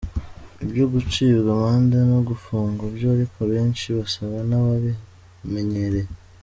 Ibyo gucibwa amande no gufungwa byo ariko abenshi basa n’ababimenyereye.